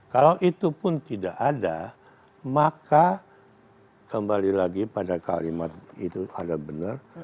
kalau itu pun tidak ada maka kembali lagi pada kalimat itu ada benar